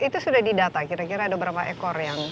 itu sudah didata kira kira ada berapa ekor yang